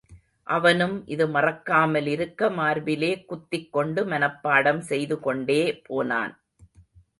அவனும் இது மறக்காமலிருக்க மார்பிலே குத்திக் கொண்டு மனப்பாடம் செய்துகொண்டே போனான்.